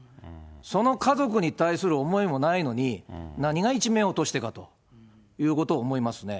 その家族に対する思いもないのに、何が一命をとしてかということを思いますね。